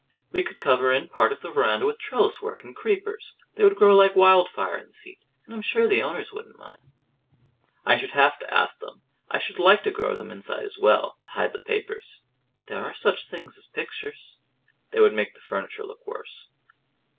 "We could cover in part of the verandah with trellis work and creepers. They would grow like wildfire in this heat, and I'm sure the owners wouldn't mind." "I should have to ask them. I should like to grow them inside as well, to hide the papers." "There are such things as pictures." "They would make the furniture look worse."